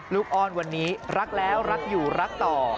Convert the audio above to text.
อ้อนวันนี้รักแล้วรักอยู่รักต่อ